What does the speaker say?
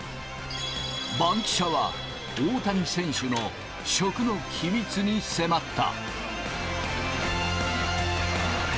バンキシャは大谷選手の食の秘密に迫った。